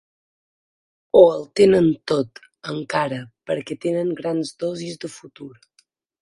O el tenen tot, encara, perquè tenen grans dosis de futur.